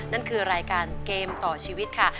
นั่นคือรายการเกมต่อชีวิตค่ะ